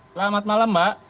selamat malam mbak